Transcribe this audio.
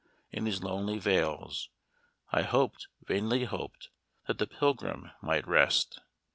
in these lonely vales, I hoped, vainly hoped, that the pilgrim might rest.